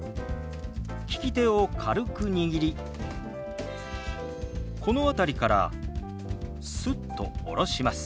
利き手を軽く握りこの辺りからスッと下ろします。